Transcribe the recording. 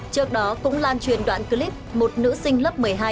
trước đó cũng lan truyền đoạn clip một nữ sinh lớp một mươi hai